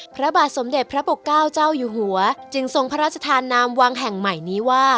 พระบาทสมเด็จพระปกเก้าเจ้าอยู่หัวจึงทรงพระราชทานนามวังแห่งใหม่นี้ว่า